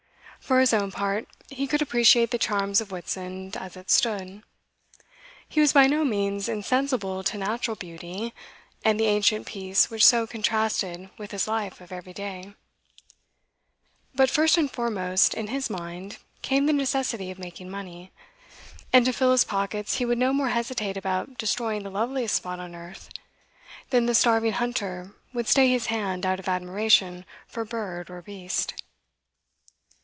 For his own part, he could appreciate the charms of Whitsand as it stood; he was by no means insensible to natural beauty and the ancient peace which so contrasted with his life of every day; but first and foremost in his mind came the necessity of making money; and to fill his pockets he would no more hesitate about destroying the loveliest spot on earth, than the starving hunter would stay his hand out of admiration for bird or beast.